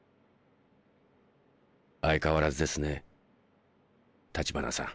相変わらずですね橘さん。